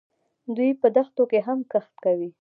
دوی په دښتو کې هم کښت کوي.